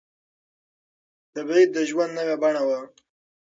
تبعيد د ژوند نوې بڼه وه.